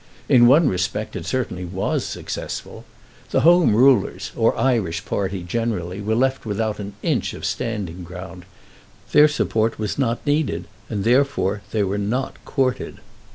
In one respect it certainly was successful. The Home Rulers, or Irish party generally, were left without an inch of standing ground. Their support was not needed, and therefore they were not courted.